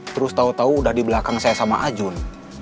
terus tahu tahu udah di belakang saya sama ajun